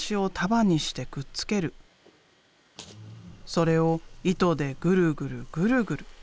それを糸でぐるぐるぐるぐる。